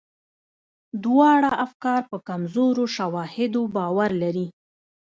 دواړه افکار په کمزورو شواهدو باور لري.